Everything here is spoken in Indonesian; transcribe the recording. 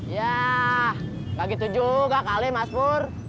yah gak gitu juga kali mas pur